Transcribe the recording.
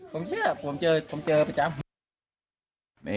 ผมเชื่อผมเจอผมเจอประจำ